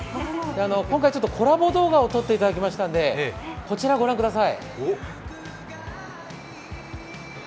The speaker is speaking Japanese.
今回、コラボ動画を撮っていただきましたので、御覧ください。